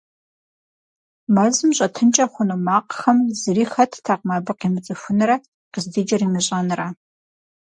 Мэзым щӏэтынкӏэ хъуну макъхэм зыри хэттэкъым абы къимыцӏыхунрэ къыздикӏыр имыщӏэнрэ.